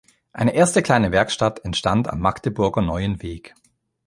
Eine erste kleine Werkstatt entstand am Magdeburger Neuen Weg.